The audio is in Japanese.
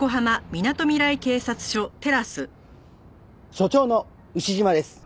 署長の牛島です。